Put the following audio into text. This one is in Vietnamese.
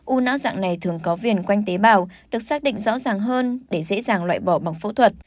u não dạng này thường có viền quanh tế bào được xác định rõ ràng hơn để dễ dàng loại bỏ bằng phẫu thuật